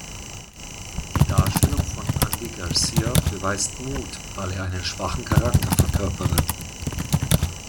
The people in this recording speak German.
Die Darstellung von Andy Garcia beweise Mut, weil er einen schwachen Charakter verkörpere.